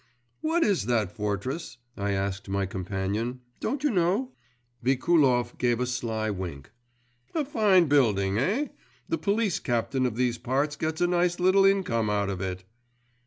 'What is that fortress?' I asked my companion. 'Don't you know?' Vikulov gave a sly wink. 'A fine building, eh? The police captain of these parts gets a nice little income out of it!